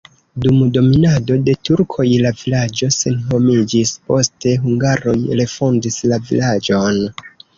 Dum dominado de turkoj la vilaĝo senhomiĝis, poste hungaroj refondis la vilaĝon.